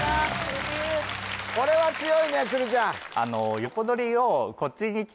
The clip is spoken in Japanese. これは強いね鶴ちゃん